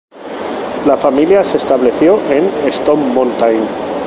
La familia se estableció en Stone Mountain.